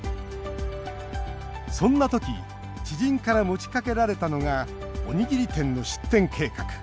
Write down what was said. そんな時知人から持ちかけられたのがおにぎり店の出店計画。